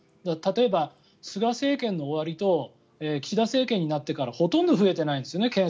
例えば、菅政権の終わりと岸田政権になってからほとんど増えてないんですね